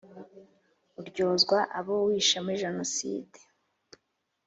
Uraryozwa abo wishe muri genoside